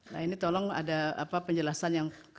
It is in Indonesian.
nah ini tolong ada penjelasan yang